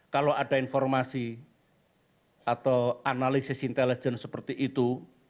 kalau ada informasi atau analisis intelijen seperti itu